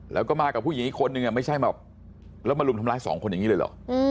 แล้วก็มากับผู้หญิงอีกคนนึงไม่ใช่แบบแล้วมารุมทำร้ายสองคนอย่างนี้เลยเหรอ